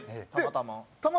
たまたま。